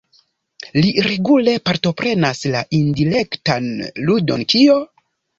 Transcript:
Li regule partoprenas la intelektan ludon "Kio?